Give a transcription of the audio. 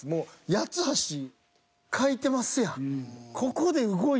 「八ッ橋」書いてますやん。